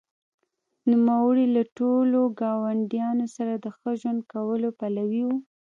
نوموړي له ټولو ګاونډیانو سره د ښه ژوند کولو پلوی و.